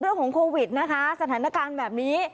เรื่องของโควิดนะคะสถานการณ์แบบนี้